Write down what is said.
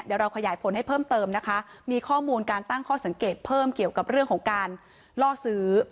เดี๋ยวเราขยายผลให้เพิ่มเติมนะคะมีข้อมูลการตั้งข้อสังเกตเพิ่มเกี่ยวกับเรื่องของการล่อซื้อ